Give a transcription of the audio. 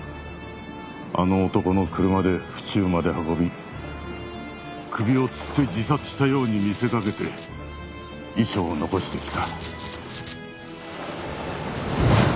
あの男の車で府中まで運び首をつって自殺したように見せかけて遺書を残してきた。